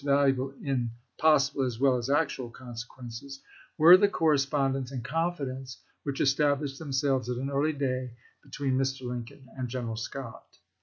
valuable in possible as well as actual consequences, were the correspondence and confidence which es tablished themselves at an early day between Mr. Lincoln and General Scott.